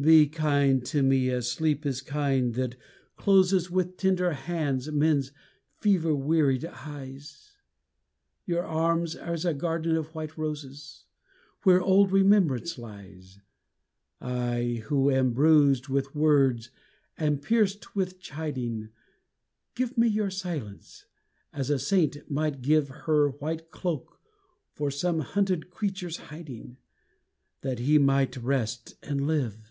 Be kind to me as sleep is kind that closes With tender hands men's fever wearied eyes, Your arms are as a garden of white roses Where old remembrance lies, I, who am bruised with words and pierced with chiding, Give me your silence as a Saint might give Her white cloak for some hunted creature's hiding, That he might rest and live.